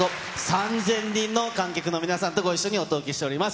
３０００人の観客の皆さんとご一緒にお届けしております。